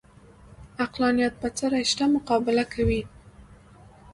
عقلانیت بڅري شته مقابله کوي